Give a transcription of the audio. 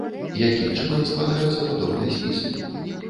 Якім чынам складаюцца падобныя спісы?